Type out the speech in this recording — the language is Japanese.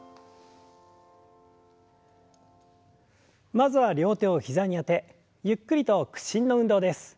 まずは両手を膝にあてゆっくりと屈伸の運動です。